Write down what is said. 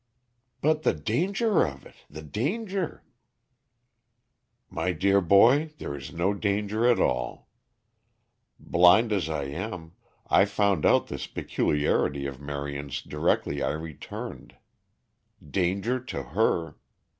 "But the danger of it, the danger!" "My dear boy, there is no danger at all. Blind as I am, I found out this peculiarity of Marion's directly I returned. Danger to her!